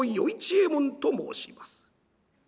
右衛門と申します」。